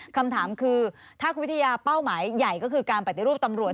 คำถามคือถ้าคุณวิทยาเป้าหมายใหญ่ก็คือการปฏิรูปตำรวจ